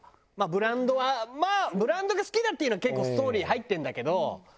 ブランドはまあブランドが好きだっていうのは結構ストーリー入ってるんだけど。